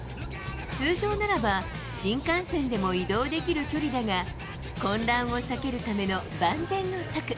通常ならば、新幹線でも移動できる距離だが、混乱を避けるための万全の策。